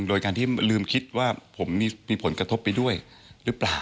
โดยการที่ลืมคิดว่าผมมีผลกระทบไปด้วยหรือเปล่า